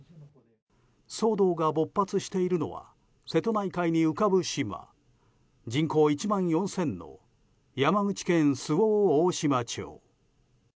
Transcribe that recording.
騒動が勃発しているのは瀬戸内海に浮かぶ島人口１万４０００の山口県周防大島町。